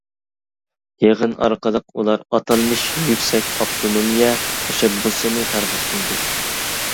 يىغىن ئارقىلىق ئۇلار ئاتالمىش «يۈكسەك ئاپتونومىيە» تەشەببۇسىنى تەرغىب قىلدى.